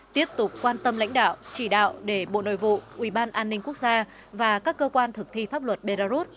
tiếp tục quan tâm lãnh đạo chỉ đạo để bộ nội vụ uban quốc gia và các cơ quan thực thi pháp luật belarus